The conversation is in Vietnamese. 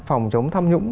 phòng chống tham nhũng